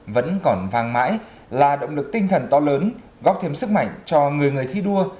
vẫn còn vang mãi là động lực tinh thần to lớn góp thêm sức mạnh cho người người thi đua